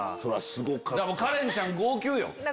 カレンちゃん号泣よ。